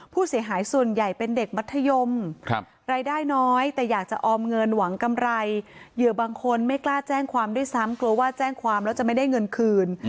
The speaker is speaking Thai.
ผู้เสียหายส่วนใหญ่เป็นเด็กมัธยมรายได้น้อยแต่อยากจะออมเงินหวังกำไรเหยื่อบางคนไม่กล้าแจ้งความด้วยซ้ำกลัวว่าแจ้งความแล้วจะไม่ได้เงินคืน